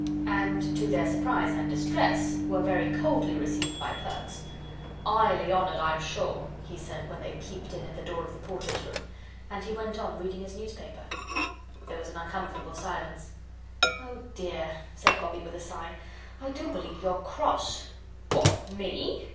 And, to their surprise and distress, were very coldly received by Perks. "'Ighly honoured, I'm sure," he said when they peeped in at the door of the Porters' room. And he went on reading his newspaper. There was an uncomfortable silence. "Oh, dear," said Bobbie, with a sigh, "I do believe you're CROSS." "What, me?